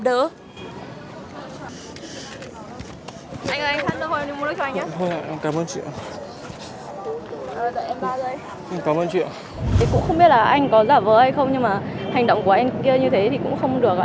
thì cũng không biết là anh có giả vờ hay không nhưng mà hành động của anh kia như thế thì cũng không được ạ